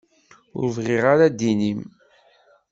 Ur bɣiɣ ara ddin-im.